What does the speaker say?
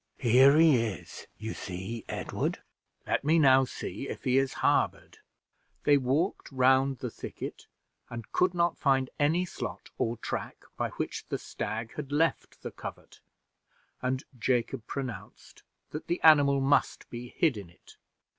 "Here he is, you see, Edward; let me now see if he is harbored." They walked round the thicket, and could not find any slot or track by which the stag had left the covert, and Jacob pronounced that the animal must be hid in it.